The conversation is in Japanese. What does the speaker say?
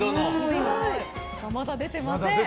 まだ出てません。